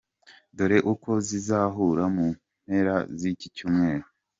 Dore uko zizahura mu mpera z’iki cyumweru :